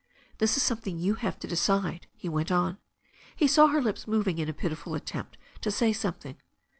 "This is something you have to decide," he went on. He saw her lips moving in a pitiful attempt to say some thing.